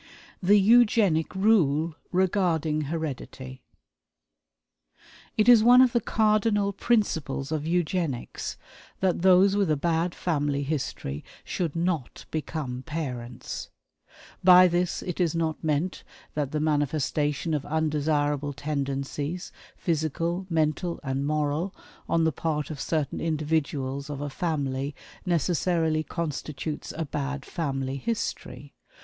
The Eugenic Rule Regarding Heredity. It is one of the cardinal principles of Eugenics that those with a bad family history should not become parents. By this it is not meant that the manifestation of undesirable tendencies, physical, mental, and moral, on the part of certain individuals of a family necessarily constitutes a "bad family history."